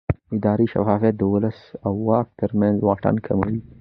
اداري شفافیت د ولس او واک ترمنځ واټن کموي